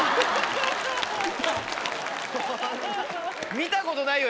・見たことないよ